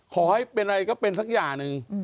ขอให้เป็นอะไรก็เป็นสักอย่างหนึ่ง